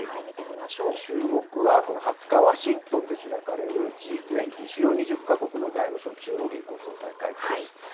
注目は、この２０日、ワシントンで開かれるＧ２０・主要２０か国の財務相・中央銀行総裁会議です。